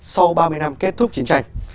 sau ba mươi năm kết thúc chiến tranh